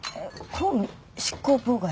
公務執行妨害？